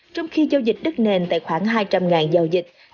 trong khi giao dịch đất nền tại khoảng hai trăm linh giao dịch